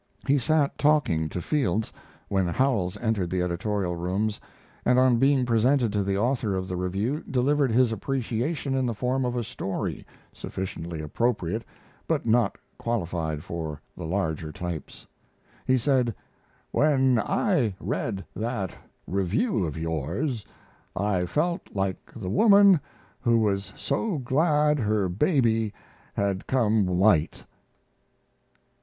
He sat talking to Fields, when Howells entered the editorial rooms, and on being presented to the author of the review, delivered his appreciation in the form of a story, sufficiently appropriate, but not qualified for the larger types. [He said: "When I read that review of yours, I felt like the woman who was so glad her baby had come white."